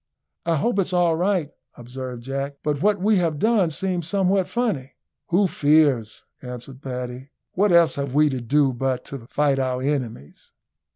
"I hope it's all right," observed Jack, "but what we have done seems somewhat funny." "Who fears?" answered Paddy. "What else have we to do but to fight our enemies?"